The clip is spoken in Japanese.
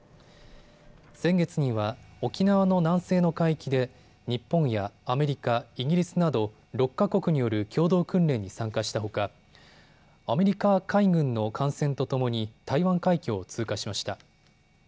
先月には沖縄の南西の海域で日本やアメリカ、イギリスなど６か国による共同訓練に参加したほかアメリカ海軍の艦船とともに台湾海峡を通過しました。